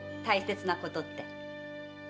大切なことって。